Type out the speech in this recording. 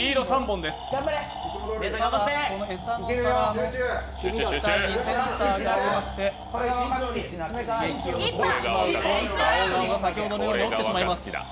餌の皿の下にセンサーがありまして、刺激を与えてしまうとガオガオが先ほどのように起きてしまいます。